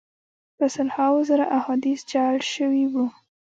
په سل هاوو زره احادیث جعل سوي وه.